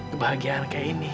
kebahagiaan kayak ini